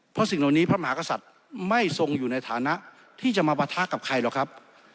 เพราะสิ่งเหล่านี้พระมหากษัตริย์ไม่ทรงอยู่ในฐานะที่จะมาปะทะกับใครหรอกครับ